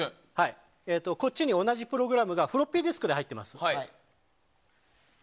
こっちに同じプログラムがフロッピーディスクに入っています。